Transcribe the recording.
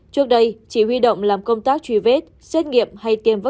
trước đây chỉ huy động làm công tác truy vết xét nghiệm hay tiêm vaccine